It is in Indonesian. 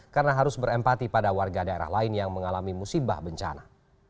karena harus berempati pada warga daerah lain yang mengalami musibah bencana